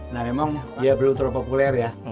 nah memang ya belum terlalu populer ya